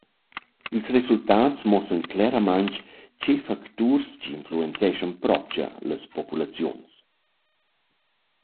Ils resultats muossan cleramaing che factuors chi influenzeschan propcha las populaziuns.